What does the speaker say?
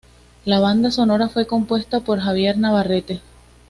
La banda sonora fue compuesta por Javier Navarrete.